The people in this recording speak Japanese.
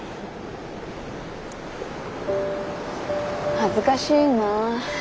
恥ずかしいな。